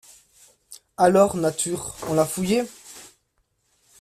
Alors, nature, on l’a fouillé.